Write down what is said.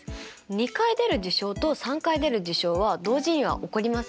２回出る事象と３回出る事象は同時には起こりませんよね。